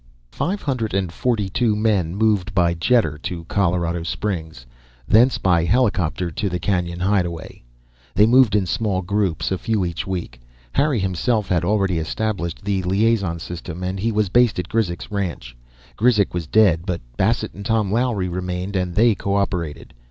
Five hundred and forty two men moved by jetter to Colorado Springs; thence, by helicopter, to the canyon hideaway. They moved in small groups, a few each week. Harry himself had already established the liaison system, and he was based at Grizek's ranch. Grizek was dead, but Bassett and Tom Lowery remained and they cooperated.